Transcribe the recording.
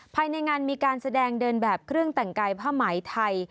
ภายในงานมีการแสดงเดินแบบเครื่องแต่งกายผ้าไหมไทย